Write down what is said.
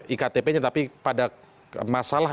iktp nya tapi pada masalah